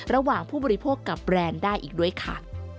ระหว่างผู้บริโภคกับแบรนด์ได้อีกด้วยค่ะ